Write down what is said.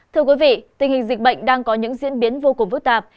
thưa quý vị tình hình dịch bệnh đang có những diễn biến vô cùng phức tạp